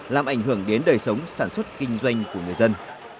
làm ảnh hưởng đến đời sống sản xuất kinh doanh của người dân